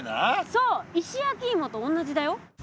そう石焼きいもとおんなじだよ。